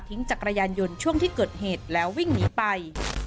จักรยานยนต์ช่วงที่เกิดเหตุแล้ววิ่งหนีไป